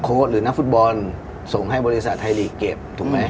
โค้ดหรือนักฟุตบอลส่งให้บริษัทไทยฤทธิ์เก็บถูกไหมอืม